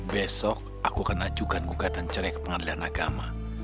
besok aku akan ajukan gugatan cerai ke pengadilan agama